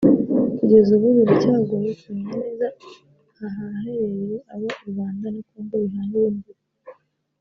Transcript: Kugeza ubu biracyagoye kumenya neza ahaherereye aho u Rwanda na Congo bihanira imbibi